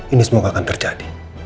ini semua gak akan terjadi